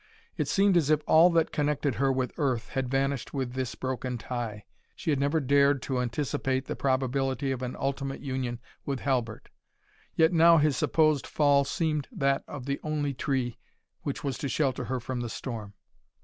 It seemed as if all that connected her with earth, had vanished with this broken tie. She had never dared to anticipate the probability of an ultimate union with Halbert, yet now his supposed fall seemed that of the only tree which was to shelter her from the storm.